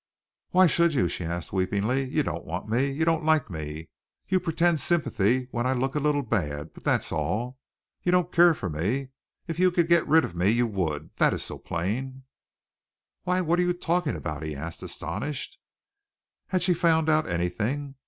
"Why should you?" she asked weepingly. "You don't want me. You don't like me. You pretend sympathy when I look a little bad, but that's all. But you don't care for me. If you could get rid of me, you would. That is so plain." "Why, what are you talking about?" he asked, astonished. Had she found out anything?